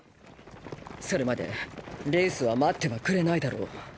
それまでレイスは待ってはくれないだろう。